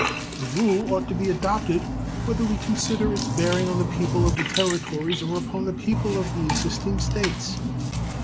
The rule ought to be adopted, whether we consider its bearing on the people of the Territories or upon the people of the existing States.